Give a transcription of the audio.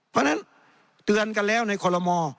เพราะฉะนั้นเตือนกันแล้วในคอลโลมอ